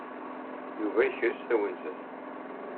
Yuba yekres tawenza-nnes.